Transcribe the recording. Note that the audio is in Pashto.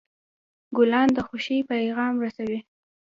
ګلان د خوښۍ پیغام رسوي.